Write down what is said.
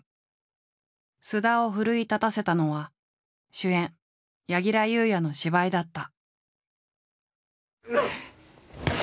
菅田を奮い立たせたのは主演柳楽優弥の芝居だった。